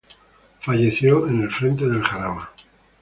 Falleció en el frente del Jarama.